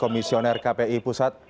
pisioner kpi pusat